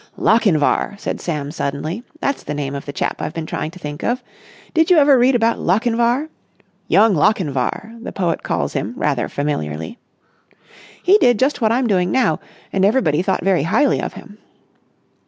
"Lochinvar!" said Sam suddenly. "That's the name of the chap I've been trying to think of! Did you ever read about Lochinvar? 'Young Lochinvar' the poet calls him rather familiarly. He did just what I'm doing now, and everybody thought very highly of him.